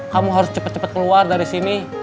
kamu harus cepet cepet keluar dari sini